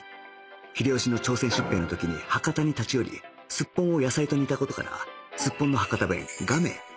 秀吉の朝鮮出兵の時に博多に立ち寄りスッポンを野菜と煮た事からスッポンの博多弁「がめ」からきたとする説等である